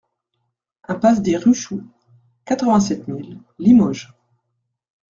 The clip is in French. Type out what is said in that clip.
Impasse des Ruchoux, quatre-vingt-sept mille Limoges